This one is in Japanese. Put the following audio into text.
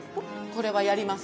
これはやります。